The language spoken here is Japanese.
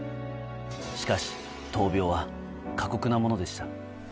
しかし、闘病は過酷なものでした。